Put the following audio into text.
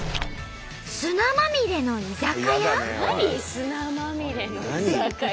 「砂まみれの居酒屋」って。